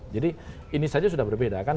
jadi ini saja sudah berbeda